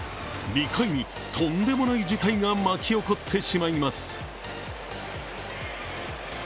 ２回にとんでもない事態が巻き起こってしまいます。